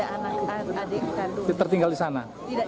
anak cucu saya tertinggal di mana